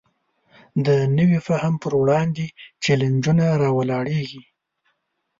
د نوي فهم پر وړاندې چلینجونه راولاړېږي.